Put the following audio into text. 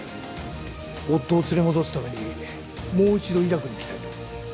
夫を連れ戻すためにもう一度イラクに来たいと。